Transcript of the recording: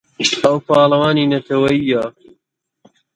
ئەو پاڵەوانی نەتەوەیییە.